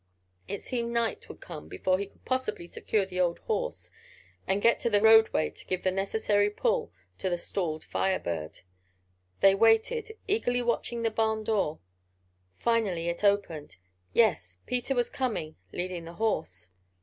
It seemed night would come before he could possibly secure the old horse, and get to the roadway to give the necessary pull to the stalled Fire Bird. They waited, eagerly watching the barn door. Finally it opened. Yes, Peter was coming, leading the horse.